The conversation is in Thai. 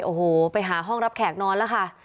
โอ้โหไปหาห้องรับแขกนอนแล้วค่ะ